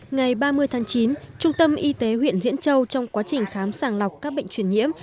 ngày ba mươi tháng chín trung tâm y tế huyện diễn châu trong quá trình khám sàng lọc các bệnh truyền nhiễm